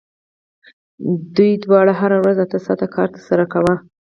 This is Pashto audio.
دوی دواړو هره ورځ اته ساعته کار ترسره کاوه